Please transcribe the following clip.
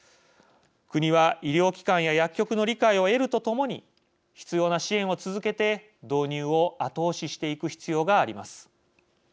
国は医療機関や薬局の理解を得るとともに必要な支援を続けて導入を後押ししていく必要があります。